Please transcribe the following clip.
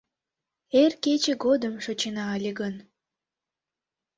Эр кече годым шочына ыле гын